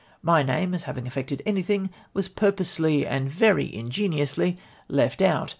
My name, as having effected anything, was purposely and very ingeniously left out!